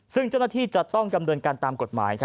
ซึ่งเจ้าหน้าที่จะต้องดำเนินการตามกฎหมาย